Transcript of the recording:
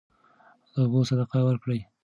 د اوبو صدقه ورکړئ.